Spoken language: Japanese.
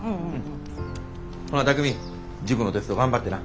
ほな巧海塾のテスト頑張ってな。